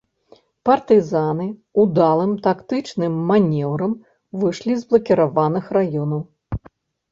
Партызаны ўдалым тактычным манеўрам выйшлі з блакіраваных раёнаў.